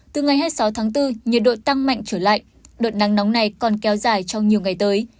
từ ngày hai mươi sáu tháng bốn nhiệt độ tăng mạnh trở lại đợt nắng nóng này còn kéo dài trong nhiều ngày tới